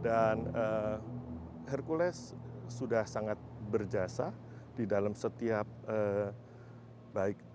dan hercules sudah sangat berjasa di dalam setiap baik